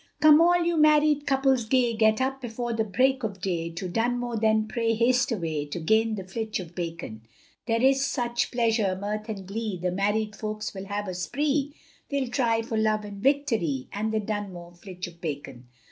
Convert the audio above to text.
Come all you married couples gay, Get up before the break of day, To Dunmow then pray haste away, To gain the flitch of bacon; There is such pleasure, mirth and glee, The married folks will have a spree, They'll try for love and victory, And the Dunmow Flitch of Bacon.